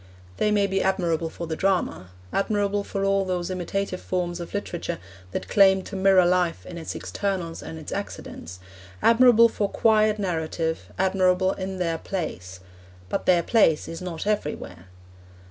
They may be admirable for the drama, admirable for all those imitative forms of literature that claim to mirror life in its externals and its accidents, admirable for quiet narrative, admirable in their place; but their place is not everywhere.